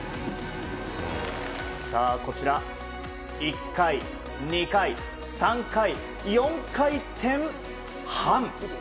こちら１回、２回、３回、４回転半。